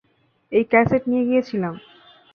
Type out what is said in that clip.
এই ক্যাসেট নিয়ে গিয়েছিলাম।